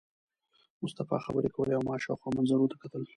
مصطفی خبرې کولې او ما شاوخوا منظرو ته کتل.